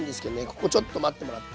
ここちょっと待ってもらって。